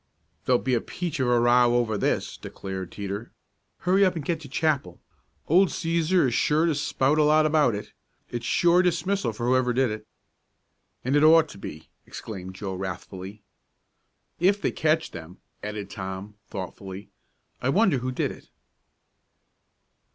"There'll be a peach of a row over this!" declared Teeter. "Hurry up and get to chapel. Old Cæsar is sure to spout a lot about it. It's sure dismissal for whoever did it." "And it ought to be!" exclaimed Joe wrathfully. "If they catch them," added Tom, thoughtfully. "I wonder who did it?"